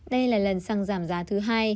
đây là lần xăng giảm giá thứ hai